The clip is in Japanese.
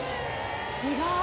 違う！